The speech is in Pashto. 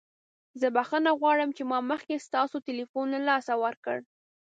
زه بخښنه غواړم چې ما مخکې ستاسو تلیفون له لاسه ورکړ.